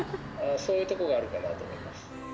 そういうところがあるかなと思います。